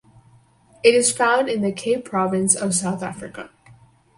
It is found in the Cape Province of South Africa.